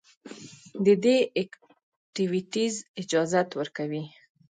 د دې ايکټويټيز اجازت ورکوي